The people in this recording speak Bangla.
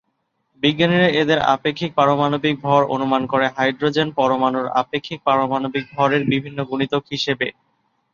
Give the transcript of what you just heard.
বিজ্ঞানীরা এদের আপেক্ষিক পারমাণবিক ভর অনুমান করেন হাইড্রোজেন পরমাণুর আপেক্ষিক পারমাণবিক ভরের বিভিন্ন গুণিতক হিসেবে।